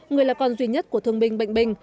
người là con duy nhất của thương binh bệnh binh